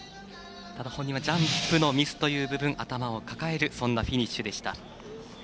本人はジャンプのミス頭を抱えるそんなフィニッシュでした。